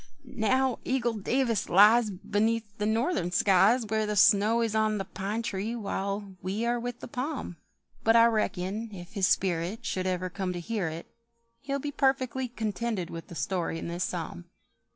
Now Eagle Davis lies Beneath the Northern skies, Where the snow is on the pine tree while we are with the palm; But I reckon if his spirit Should ever come to hear it, He'll be perfectly contented with the story in this psalm.